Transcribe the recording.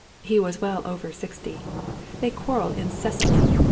He was well over sixty. They quarrelled incessantly.